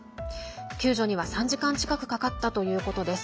救助には３時間近くかかったということです。